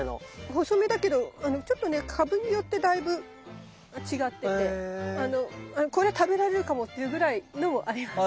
細めだけど株によってだいぶ違っててこれ食べられるかもっていうぐらいのもあります。